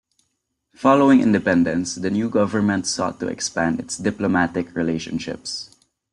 Following independence, the new government sought to expand its diplomatic relationships.